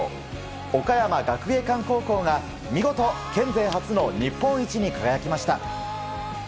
岡山学芸館が見事県勢初の日本一に輝きました。